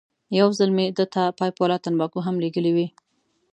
یو ځل مې ده ته پایپ والا تنباکو هم لېږلې وې.